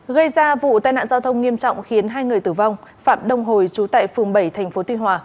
gây ra vụ tai nạn giao thông nghiêm trọng khiến hai người tử vong phạm đông hồi trú tại phường bảy tp tuy hòa